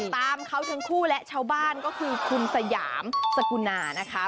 ตามเขาทั้งคู่และชาวบ้านก็คือคุณสยามสกุณานะคะ